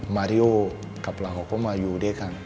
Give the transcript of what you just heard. มาริโอกับเราก็มาอยู่ด้วยกัน